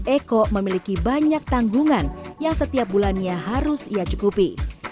eko memiliki banyak tanggungan yang setiap bulannya harus ia cukupi